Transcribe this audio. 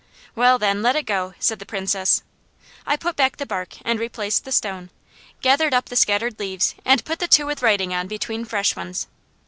"Well then, let it go," said the Princess. I put back the bark and replaced the stone, gathered up the scattered leaves, and put the two with writing on between fresh ones.